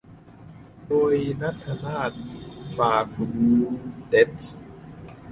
โดย ณัฐนาถ ฟาคุนเด๊ซ